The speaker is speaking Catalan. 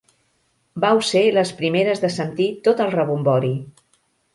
Vau ser les primeres de sentir tot el rebombori.